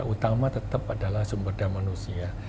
utama tetap adalah sumber daya manusia